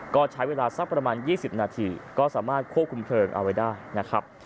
ก็ใช้เวลาสักประมาณ๒๐นาทีก็สามารถควบคุมเพลิงเอาไว้ได้นะครับ